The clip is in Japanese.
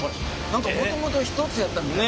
何かもともと一つやったみたい。